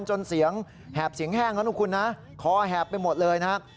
จนเสียงแหบเสียงแห้งแล้วนะคุณนะคอแหบไปหมดเลยนะครับ